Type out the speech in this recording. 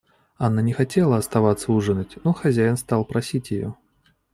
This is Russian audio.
Анна не хотела оставаться ужинать, но хозяин стал просить ее.